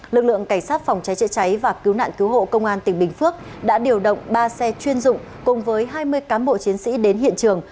lực lượng cảnh sát phòng cháy chữa cháy và cứu nạn cứu hộ công an tỉnh bình phước đã điều động ba xe chuyên dụng cùng với hai mươi cán bộ chiến sĩ đến hiện trường